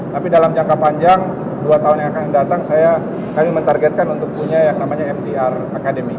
tapi dalam jangka panjang dua tahun yang akan datang kami mentargetkan untuk punya yang namanya mtr academy